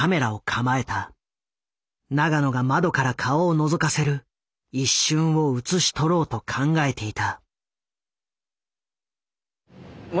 永野が窓から顔をのぞかせる一瞬を写し取ろうと考えていた。